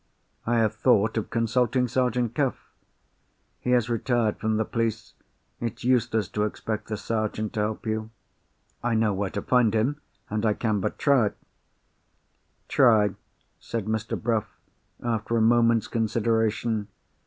"I have thought of consulting Sergeant Cuff." "He has retired from the police. It's useless to expect the Sergeant to help you." "I know where to find him; and I can but try." "Try," said Mr. Bruff, after a moment's consideration.